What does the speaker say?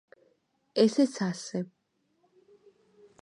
ესეც ასე.